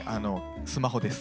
スマホです。